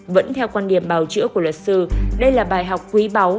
vẫn theo quan điểm bào chữa của luật sư đây là bài học quý báu